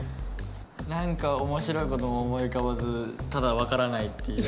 何か面白い事も思い浮かばずただ分からないっていう。